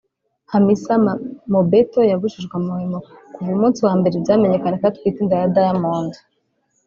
Hamisa Mobetto yabujijwe amahwemo kuva umunsi wa mbere byamenyekanye ko atwite inda ya Diamond